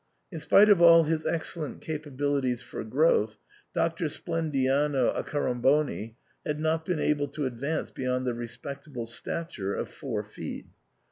In spite of all his excellent capabilities for growth, Doctor Splendiano Accoramboni had not been able to advance beyond the respectable stature of four feet.